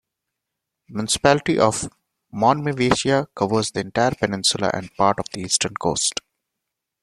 The municipality of Monemvasia covers the entire peninsula and part of the eastern coast.